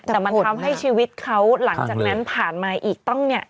แต่มันทำให้ชีวิตเขาหลังจากนั้นผ่านมาอีกตั้งเนี่ย